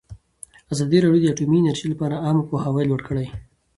ازادي راډیو د اټومي انرژي لپاره عامه پوهاوي لوړ کړی.